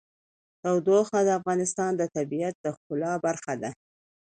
تودوخه د افغانستان د طبیعت د ښکلا برخه ده.